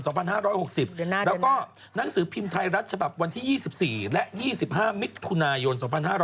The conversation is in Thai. เดือนหน้าแล้วก็หนังสือพิมพ์ไทยรัฐฉบับวันที่๒๔และ๒๕มิตรธุนายน๒๕๖๐